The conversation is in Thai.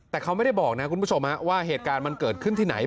แต่เขาไม่ได้บอกนะคุณผู้ชมว่าเหตุการณ์มันเกิดขึ้นที่ไหน